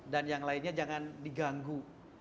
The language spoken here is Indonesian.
dan yang lainnya jangan diganggu